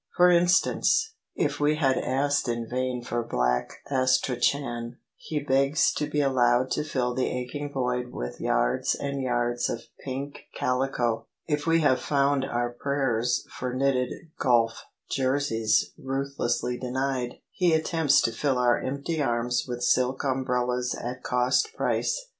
For instance, if we have asked in vain for black astrachan, he begs to be allowed to fill the aching void with yards and yards of pink calico: if we have found our prayers for knitted golf jerseys ruthlessly denied, he attempts to fill our empty arms with silk umbrellas at cost price.